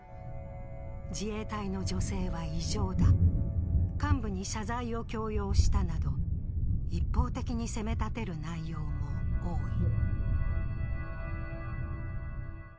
自衛隊の女性は異常だ、幹部に謝罪を強要したなど一方的に責めたてる内容も多い。